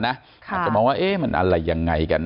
อาจจะมองว่ามันอะไรยังไงกัน